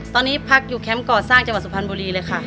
ตอนนี้พักอยู่แคมป์ก่อสร้างจังหวัดสุพรรณบุรีเลยค่ะ